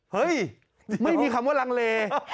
เฮ้ยไม่มีคำว่าลังเล